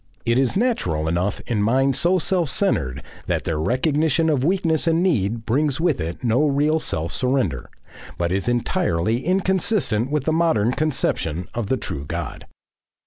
It is natural enough in minds so self centred that their recognition of weakness and need brings with it no real self surrender, but it is entirely inconsistent with the modern conception of the true God.